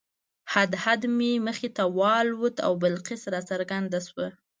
هدهد مې مخې ته والوت او بلقیس راڅرګنده شوه.